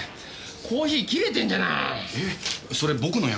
コーヒー切れてんじゃない！